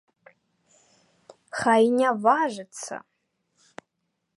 Хай і не важыцца!